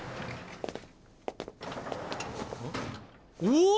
お！